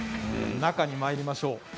中にまいりましょう。